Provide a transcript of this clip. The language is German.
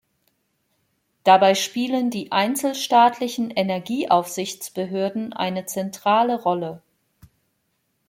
Dabei spielen die einzelstaatlichen Energieaufsichtsbehörden eine zentrale Rolle.